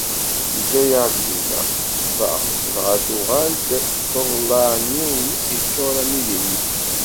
Teǧǧa-aɣ dinna, teffeɣ, dɣa tuɣal-d s uḍellaɛ-nni-ines iččur armi d imi.